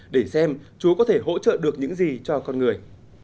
để xem chú có thể hỗ trợ được những gì cho con người